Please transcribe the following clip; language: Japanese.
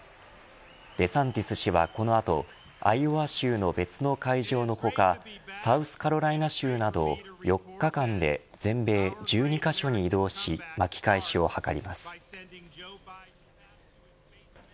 デサンティス氏は、この後アイオワ州の別の会場の他サウスカロライナ州など４日間で全米１２カ所に移動し巻き返しを図ります。